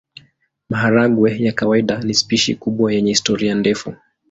Maharagwe ya kawaida ni spishi kubwa yenye historia ndefu.